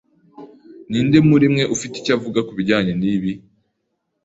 Ninde muri mwe ufite icyo avuga kubijyanye nibi?